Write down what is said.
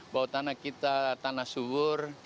bahwa tanah kita tanah subur